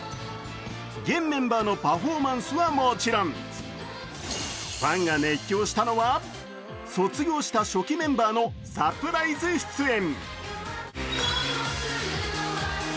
現メンバーのパフォーマンスはもちろんファンが熱狂したのは、卒業した初期メンバーのサプライズ出演。